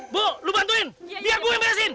bu lu bantuin biar gue yang beresin